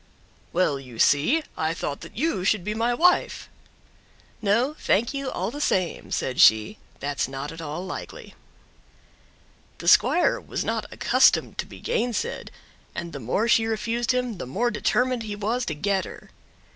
"Well, you see, I thought that you should be my wife!" "No, thank you all the same," said she, "that's not at all likely." The squire was not accustomed to be gainsaid, and the more she refused him the more determined he was to get her.